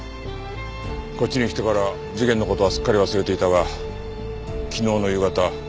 こっちに来てから事件の事はすっかり忘れていたが昨日の夕方。